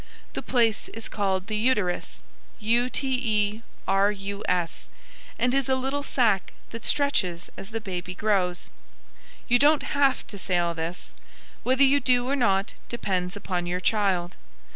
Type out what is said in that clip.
"The place is called the uterus, u t e r u s, and is a little sac that stretches as the baby grows." You don't have to say all this. Whether you do or not depends upon your child.